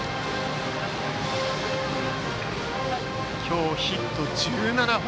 今日、ヒットは１７本。